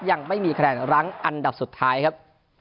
ยังไม่มีคะแนนรั้งอันดับสุดท้ายครับ